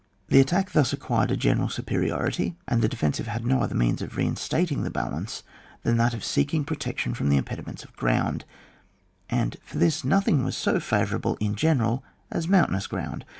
The attack thus acquired a general superiority, and the defensive bad no other means of reinstating the balance than that of seeking protection from the impediments of ground, and for this nothing was so favourable in general as mountainous ground.